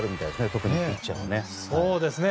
特にピッチャーはね。